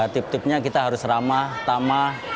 tips tipsnya kita harus ramah tamah